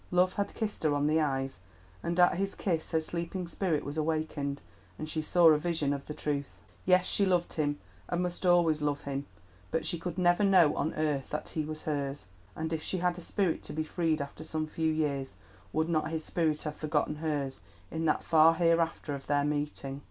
Love had kissed her on the eyes, and at his kiss her sleeping spirit was awakened, and she saw a vision of the truth. Yes, she loved him, and must always love him! But she could never know on earth that he was hers, and if she had a spirit to be freed after some few years, would not his spirit have forgotten hers in that far hereafter of their meeting?